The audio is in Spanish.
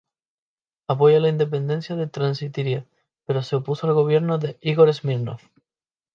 Apoya la independencia de Transnistria, pero se opuso al gobierno de Igor Smirnov.